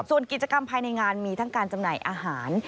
ส่วนกิจกรรมภายในงานมีทั้งการจำหน่ายอาหาร